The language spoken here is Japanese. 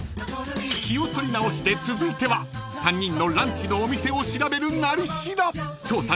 ［気を取り直して続いては３人のランチのお店を調べる「なり調」］